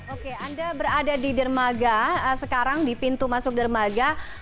oke anda berada di dermaga sekarang di pintu masuk dermaga